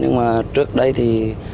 nhưng mà trước đây thì